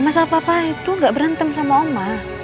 mama sama papa itu gak berantem sama oma